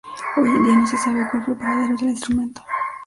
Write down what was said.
Hoy en día no se sabe cuál fue el paradero del instrumento.